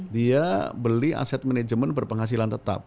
dia beli aset manajemen berpenghasilan tetap